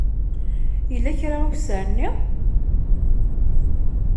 Yella kra ukessar-nni?